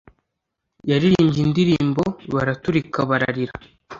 Yaririmbye indirimbo baraturika bararira